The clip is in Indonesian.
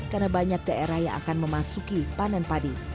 karena banyak daerah yang akan memasuki panen padi